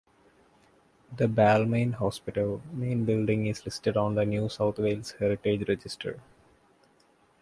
The Balmain Hospital Main Building is listed on the New South Wales Heritage Register.